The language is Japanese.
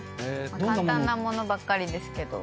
簡単な物ばっかりですけど。